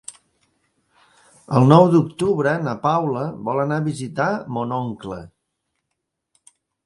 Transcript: El nou d'octubre na Paula vol anar a visitar mon oncle.